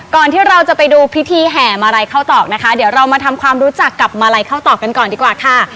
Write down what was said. ที่เราจะไปดูพิธีแห่มาลัยเข้าตอกนะคะเดี๋ยวเรามาทำความรู้จักกับมาลัยข้าวตอกกันก่อนดีกว่าค่ะ